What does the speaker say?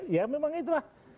ya memang itulah